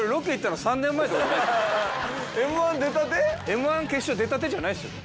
Ｍ−１決勝出たてじゃないっすよね？